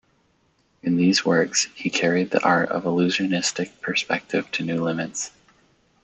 In these works, he carried the art of illusionistic perspective to new limits.